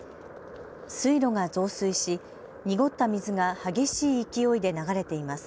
水路が増水し濁った水が激しい勢いで流れています。